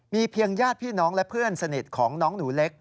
เพียงญาติพี่น้องและเพื่อนสนิทของน้องหนูเล็ก